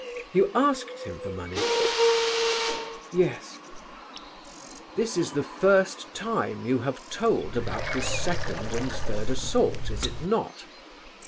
"You asked him for money?" "Yes." "This is the first time you have told about this second and third assault, is it not?"